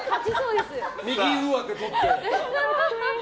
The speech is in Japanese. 右上手とって。